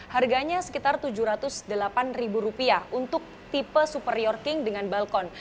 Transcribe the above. harganya sekitar rp tujuh ratus delapan untuk tipe superior king dengan balkon